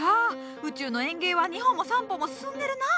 宇宙の園芸は２歩も３歩も進んでるなあ。